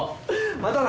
またな！